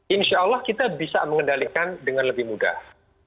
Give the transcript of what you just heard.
insya allah kita bisa mengendalikan dengan lebih mudah